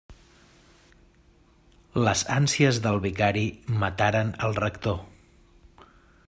Les ànsies del vicari mataren el rector.